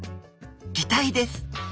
擬態です。